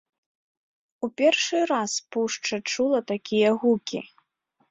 У першы раз пушча чула такія гукі.